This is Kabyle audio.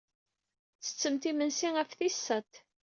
Tettettemt imensi ɣef tis sat.